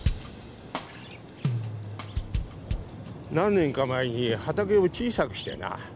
何年か前に畑を小さくしてな。